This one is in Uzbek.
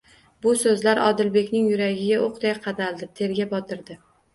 Bu so'zlar Odilbekning yuragiga o'qday qadaldi, terga botirdi.